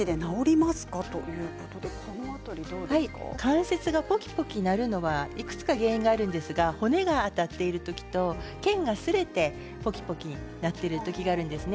関節がぽきぽき鳴るのはいくつか原因があるんですが骨が当たっている時とけんがすれて、ぽきぽき鳴っている時があるんですね。